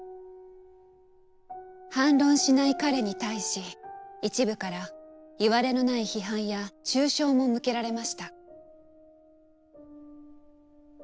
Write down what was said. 反論しない彼に対し一部からいわれのない批判や中傷も向けられました。